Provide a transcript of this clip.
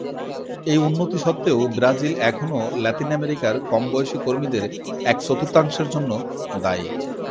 এই উন্নতি সত্ত্বেও, ব্রাজিল এখনও লাতিন আমেরিকার কম বয়সী কর্মীদের এক-চতুর্থাংশের জন্য দায়ী।